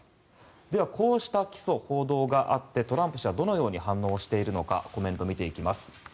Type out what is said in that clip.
では、こうした起訴・報道があってトランプ氏はどのように反応しているのかコメントを見ていきます。